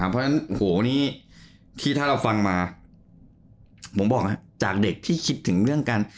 เพราะฉะนั้นโหนี้ที่ถ้าเราฟังมาผมบอกจากเด็กที่คิดถึงเรื่องการ